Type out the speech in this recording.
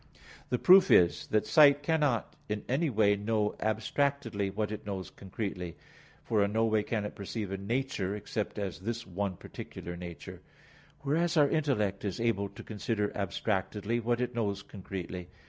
The proof is, that sight cannot in any way know abstractedly what it knows concretely; for in no way can it perceive a nature except as this one particular nature; whereas our intellect is able to consider abstractedly what it knows concretely.